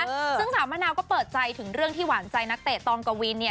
ซึ่งสาวมะนาวก็เปิดใจถึงเรื่องที่หวานใจนักเตะตองกวินเนี่ย